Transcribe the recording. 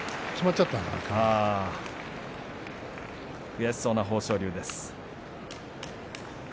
悔しそうな、豊昇龍です。